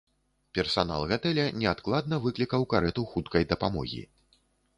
Персанал гатэля неадкладна выклікаў карэту хуткай дапамогі.